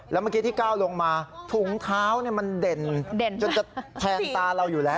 แล้วเมื่อกี้ที่ก้าวลงมาถุงเท้ามันเด่นจนจะแทงตาเราอยู่แล้ว